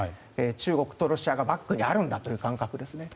中国とロシアがバックにあるんだという感覚ですね。